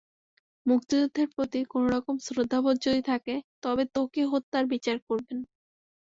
মুক্তিযুদ্ধের প্রতি কোনো রকম শ্রদ্ধাবোধ যদি থাকে, তবে ত্বকী হত্যার বিচার করবেন।